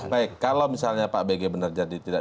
baik kalau misalnya pak bg benar jadi tidak